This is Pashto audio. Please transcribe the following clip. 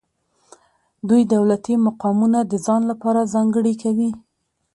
دوی دولتي مقامونه د ځان لپاره ځانګړي کوي.